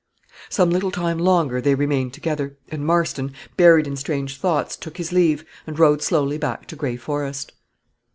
Some little time longer they remained together, and Marston, buried in strange thoughts, took his leave, and rode slowly back to Gray Forest.